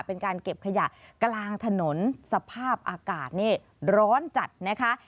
เป็นการเก็บขยะกลางถนนสภาพอากาศนี่ร้อนจัดนะคะ